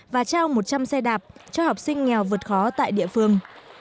và trao một trăm linh xe đạp cho học sinh nghèo vượt khó tại địa phương